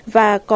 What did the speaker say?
và có dịch vụn